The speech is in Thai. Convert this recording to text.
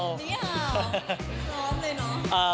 พร้อมเลยเนอะ